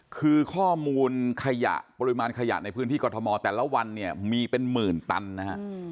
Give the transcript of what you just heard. คือข้อมูลขยะปริมาณขยะในพื้นที่กรทมแต่ละวันเนี่ยมีเป็นหมื่นตันนะฮะ